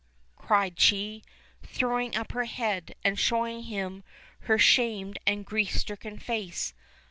cried she, throwing up her head, and showing him her shamed and grief stricken face.